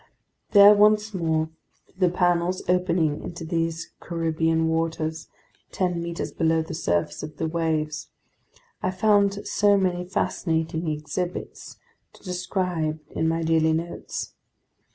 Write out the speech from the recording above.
There once more, through the panels opening into these Caribbean waters ten meters below the surface of the waves, I found so many fascinating exhibits to describe in my daily notes!